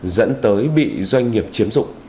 dẫn tới bị doanh nghiệp chiếm dụng